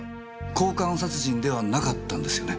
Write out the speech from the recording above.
交換殺人ではなかったんですよね？